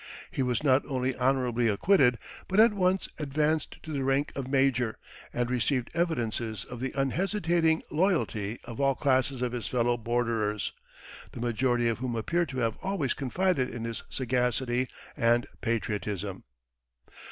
He was not only honorably acquitted, but at once advanced to the rank of major, and received evidences of the unhesitating loyalty of all classes of his fellow borderers, the majority of whom appear to have always confided in his sagacity and patriotism.